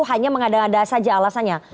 hanya mengada ada saja alasannya